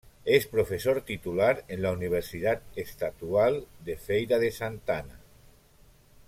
Es profesor Titular en la Universidad Estadual de Feira de Santana.